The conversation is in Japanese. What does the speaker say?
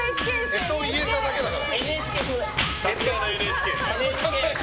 干支言えただけだから。